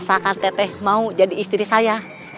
seakan teteh mau jadi istri saya